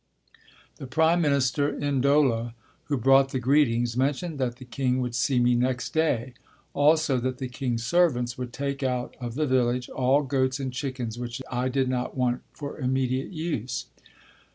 The prime minister, N'Dola, who brought the greetings, mentioned that the king would see me next day; also that the king's servants would take out of the village all goats and chickens which I did not want for immediate use.